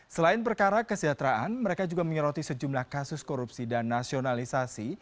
selain perkara kesejahteraan mereka juga menyeroti sejumlah kasus korupsi dan nasionalisasi